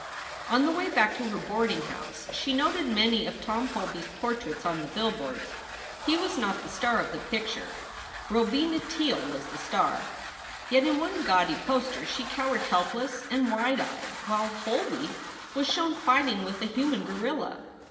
On the way back to her boarding house she noted many of Tom Holby s portraits on the billboards. He was not the star of the picture. Robina Teele was the star. Yet in one gaudy poster she cowered helpless and wide eyed while Holby was shown fighting with a human gorilla.